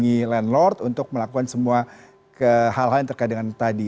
kita menghubungi landlord untuk melakukan semua hal hal yang terkait dengan tadi